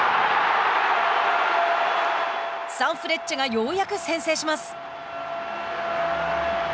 サンフレッチェがようやく先制します。